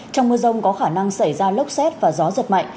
trong mưa rông có khả năng xảy ra lốc xét và gió giật mạnh